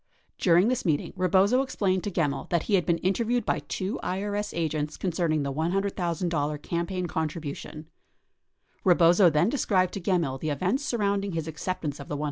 During this meeting, Rebozo explained to Gemmill that he had been interviewed by two IRS agents concerning the $100,000 campaign contribution. Rebozo then described to Gemmill the events surrounding his acceptance of the $100,000.